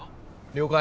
了解。